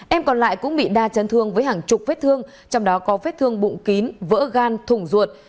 em còn lại cũng bị đa chấn thương với hàng chục vết thương trong đó có vết thương bụng kín vỡ gan thùng ruột